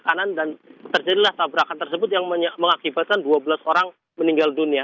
kanan dan terjadilah tabrakan tersebut yang mengakibatkan dua belas orang meninggal dunia